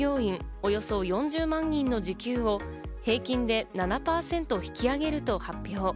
およそ４０万人の時給を平均で７％引き上げると発表。